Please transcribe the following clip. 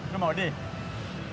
lu mau deh